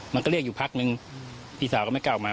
มันก็เรียกอยู่พักนึงพี่สาวก็ไม่กล้าออกมา